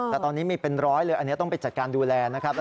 แต่ตอนนี้มีเป็นร้อยเลยอันนี้ต้องไปจัดการดูแลนะครับ